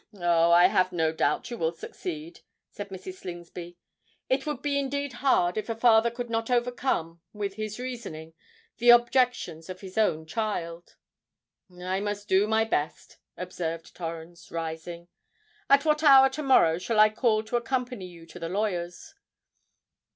"Oh! I have no doubt you will succeed," said Mrs. Slingsby: "it would be indeed hard if a father could not overcome, with his reasoning, the objections of his own child." "I must do my best," observed Torrens, rising. "At what hour to morrow shall I call to accompany you to the lawyer's?"